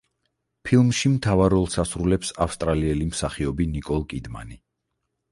ფილმში მთავარ როლს ასრულებს ავსტრალიელი მსახიობი ნიკოლ კიდმანი.